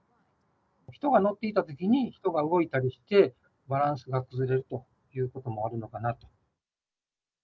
人が乗っていたときに人が動いたりして、バランスが崩れるということもあるのかなと。